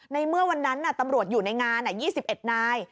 ในเมื่อวันนั้นตำรวจอยู่ในงาน๒๑นาย